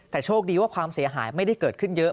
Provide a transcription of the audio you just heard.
แต่โชคดีว่าความเสียหายไม่ได้เกิดขึ้นเยอะ